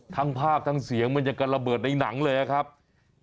ทั้งภาคทั้งเสียงมันอยากกระระเบิดในหนังเลย